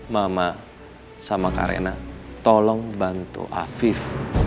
mama sama kak rena tolong bantu afif